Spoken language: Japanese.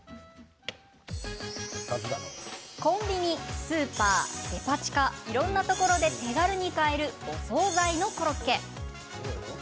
コンビニ、スーパー、デパ地下いろんなところで手軽に買えるお総菜のコロッケ。